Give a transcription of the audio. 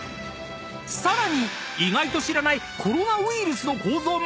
［さらに意外と知らないコロナウイルスの構造まで大解剖！］